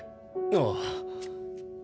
ああ。